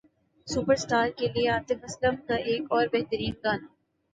superstar کے لیے عاطف اسلم کا ایک اور بہترین گانا